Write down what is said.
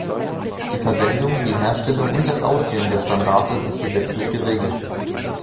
Die Verwendung, die Herstellung und das Aussehen der Standarte sind gesetzlich geregelt.